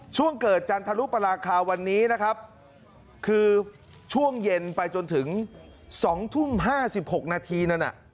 ช่วงเกิดจันทรุปราคาวันนี้นะครับคือช่วงเย็นไปจนถึง๒ทุ่ม๕๖นาทีนั้นน่ะ